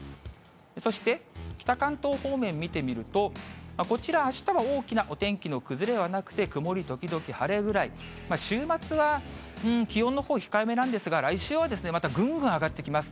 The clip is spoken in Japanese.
そして北関東方面を見てみると、こちら、あしたは大きなお天気の崩れはなくて、曇り時々晴れぐらい、週末は気温のほう、控えめなんですが、来週はですね、またぐんぐん上がってきます。